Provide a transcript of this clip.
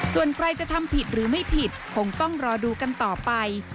ส่วนใครจะทำผิดหรือไม่ผิดคงต้องรอดูกันต่อไป